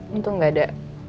untung gak ada